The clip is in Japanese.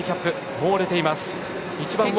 もう出ています。